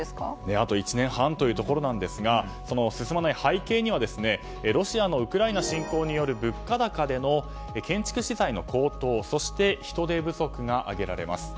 あと１年半というところですが進まない背景にはロシアのウクライナ侵攻による物価高での建築資材の高騰そして、人手不足が挙げられます。